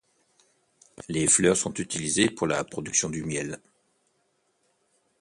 Les fleurs sont utilisées pour la production du miel.